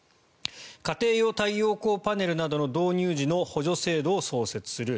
家庭用太陽光パネルなどの導入時の補助制度を創設する。